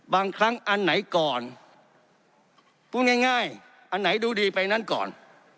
บางครั้งอันไหนก่อนพูดง่ายอันไหนดูดีไปนั้นก่อน